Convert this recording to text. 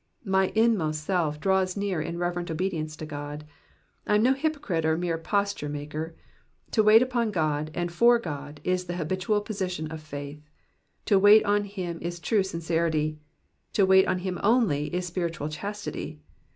'''' My inmost self draws near in reverent obedience to God. I am no hypocrite or mere posture maker. To wait upon God, and for God, is the habitual position of faith ; to wait on him truly is sincerity ; to wait on him only is spiritual chastity.